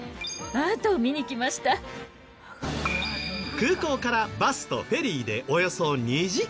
空港からバスとフェリーでおよそ２時間。